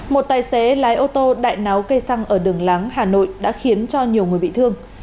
một tài xế lái ô tô đại náo cây xăng ở đường láng hà nội đã khiến cho nhiều người bị thương